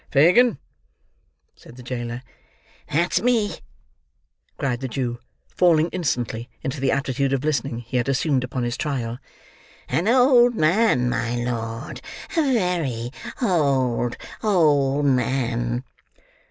"Fagin," said the jailer. "That's me!" cried the Jew, falling instantly, into the attitude of listening he had assumed upon his trial. "An old man, my Lord; a very old, old man!"